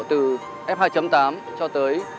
từ f hai tám cho tới